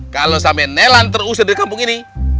kalo sampe nelan terusin di kampung ini